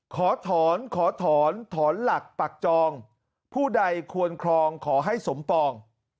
ขอถอนขอถอนถอนหลักปักจองผู้ใดควรครองขอให้สมปอง